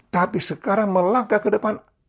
tapi sekarang melangkah ke depan